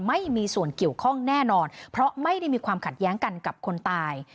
ไม่มีส่วนเกี่ยวข้องแน่นอนเพราะไม่ได้มีความขัดแย้งกันกับคนตาย